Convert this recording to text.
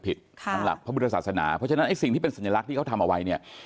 ทางหลักพระพุทธศาสนาเพราะฉะนั้นไอ้สิ่งที่เป็นสัญลักษณ์ที่เขาทำเอาไว้เนี่ย